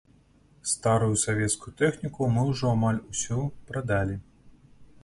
Старую савецкую тэхніку мы ўжо амаль усю прадалі.